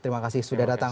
terima kasih sudah datang